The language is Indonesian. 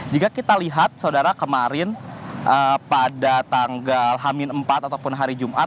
jika kita lihat saudara kemarin pada tanggal hamin empat ataupun hari jumat